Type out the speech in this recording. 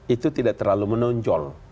itu tidak terlalu menonjol